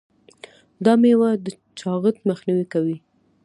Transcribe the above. دا میوه د چاغښت مخنیوی کوي.